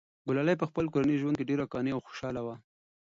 ګلالۍ په خپل کورني ژوند کې ډېره قانع او خوشحاله وه.